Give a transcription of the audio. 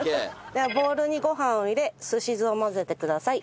ではボウルにご飯を入れ寿司酢を混ぜてください。